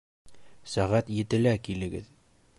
Сәғәт етелә килегеҙ.